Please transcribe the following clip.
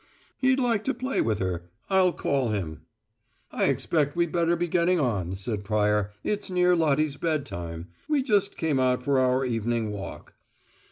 "He'd like to play with her. I'll call him." "I expect we better be getting on," said Pryor. "It's near Lottie's bedtime; we just came out for our evening walk."